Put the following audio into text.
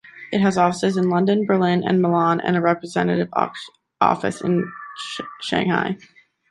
It has offices in London, Berlin and Milan and a representative office in Xangai.